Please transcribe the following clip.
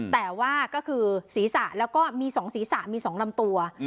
แต่ว่าก็คือศีรษะแล้วก็มี๒ศีรษะมี๒ลำตัว